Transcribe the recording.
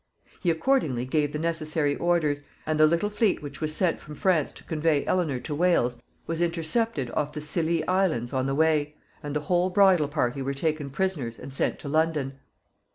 He accordingly gave the necessary orders, and the little fleet which was sent from France to convey Eleanor to Wales was intercepted off the Scilly Islands on the way, and the whole bridal party were taken prisoners and sent to London.